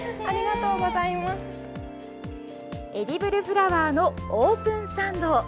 エディブルフラワーのオープンサンド。